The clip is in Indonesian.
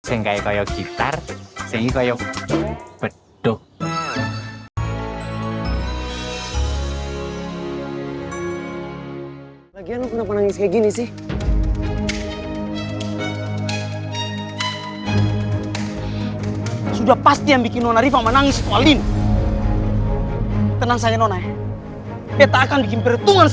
seenggak kayak gitar seenggak kayak pedo